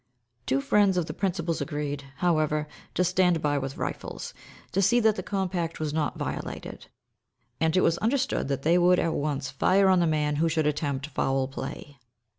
Two friends of the principals agreed, however, to stand by with rifles, to see that the compact was not violated; and it was understood that they would at once fire on the man who should attempt foul play.